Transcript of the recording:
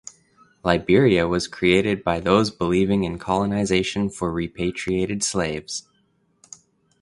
Liberia was created by those believing in colonization for repatriated slaves.